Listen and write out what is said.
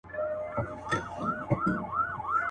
دا څه سِر دی په لاسونو د انسان کي.